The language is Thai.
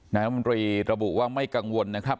นายธรรมดีระบุว่าไม่กังวลนะครับ